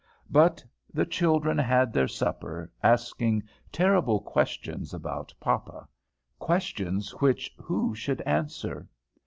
But the children had their supper, asking terrible questions about papa, questions which who should answer?